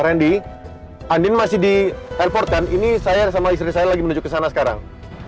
randy andin masih di airport kan ini saya sama istri saya lagi menuju ke sana sekarang